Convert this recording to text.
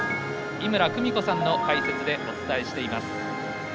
井村久美子さんの解説でお伝えしています。